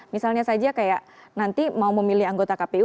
misalnya saja kayak nanti mau memilih anggota kpu